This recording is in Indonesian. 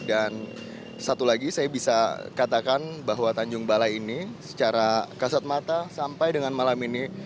dan satu lagi saya bisa katakan bahwa tanjung balai ini secara kasat mata sampai dengan malam ini